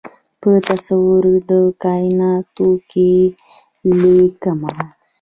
په تصویر د کائیناتو کې ليکمه